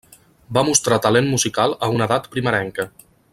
Va mostrar talent musical a una edat primerenca.